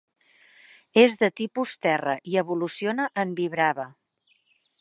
És de tipus terra i evoluciona en Vibrava.